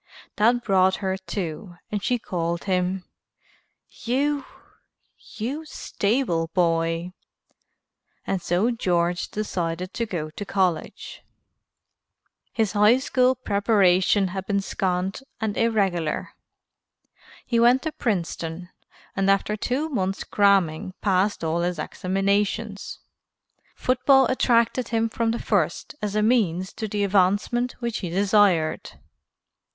That brought her to and she called him "You you stable boy." And so George decided to go to college. His high school preparation had been scant and irregular. He went to Princeton, and after two months' cramming passed all his examinations. Football attracted him from the first as a means to the advancement which he desired.